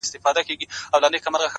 د درد د كړاوونو زنده گۍ كي يو غمى دی؛